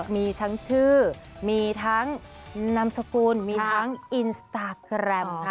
มีทั้งชื่อมีทั้งนามสกุลมีทั้งอินสตาแกรมค่ะ